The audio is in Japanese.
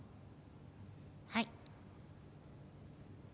はい。